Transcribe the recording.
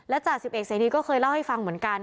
จ่าสิบเอกเสนีก็เคยเล่าให้ฟังเหมือนกัน